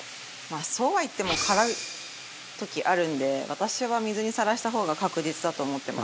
あそうは言っても辛い時あるんで私は水にさらした方が確実だと思ってます。